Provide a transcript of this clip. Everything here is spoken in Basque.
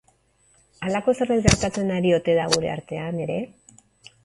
Halako zerbait gertatzen ari ote da gure artean ere?